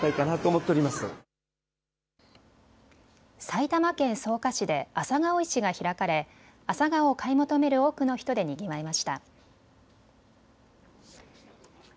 埼玉県草加市で朝顔市が開かれ朝顔を買い求める多くの人でにぎわいました。